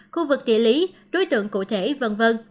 khu vực địa lý đối tượng cụ thể v v